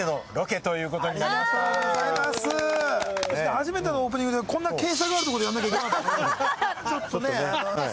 初めてのオープニングで、こんなに傾斜があるところで、やらないといけないんですかね？